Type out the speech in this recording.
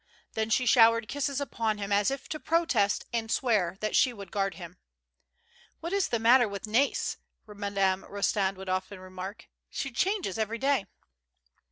Then she showered kisses upon him as if to protest and swear that she would guard him. "What is the matter with Nais?" Madame Rostand would often remark. " She changes every day."